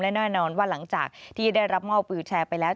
และแน่นอนว่าหลังจากที่ได้รับมอบวิวแชร์ไปแล้ว